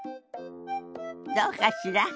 どうかしら？